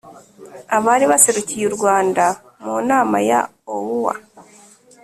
abari baserukiye u rwanda mu nama ya oua